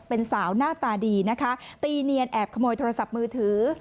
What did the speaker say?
เป็นสาวหน้าตาดีนะคะตีเนียนแอบขโมยโทรศัพท์มือถือ